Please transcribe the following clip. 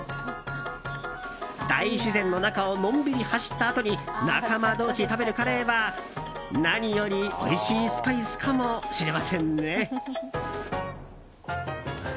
大自然の中をのんびり走ったあとに仲間同士食べるカレーは何よりおいしいスパイスかもしれませんね。